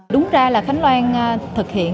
đúng ra là khánh loan thực hiện